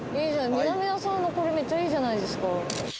南田さんのこれめっちゃいいじゃないですか。